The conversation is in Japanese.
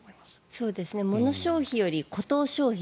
モノ消費よりコト消費。